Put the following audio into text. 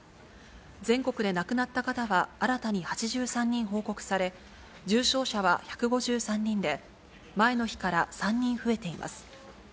全国で亡くなった方は新たに８３人報告され、重症者は１５３人で、前の日から３人増えています。